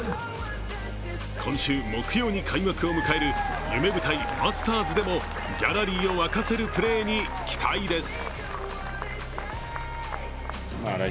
今週木曜に開幕を迎える夢舞台・マスターズでもギャラリーを沸かせるプレーに期待です。